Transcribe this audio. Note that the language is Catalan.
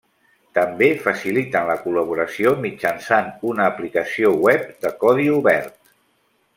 També faciliten la col·laboració mitjançant una aplicació web de codi obert.